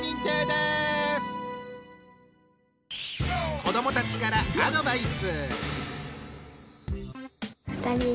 子どもたちからアドバイス。